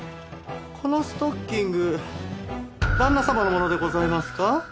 このストッキング旦那様のものでございますか？